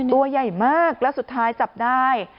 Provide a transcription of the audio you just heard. ตัวใหญ่มากแล้วสุดท้ายจับได้